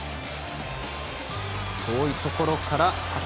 遠いところから。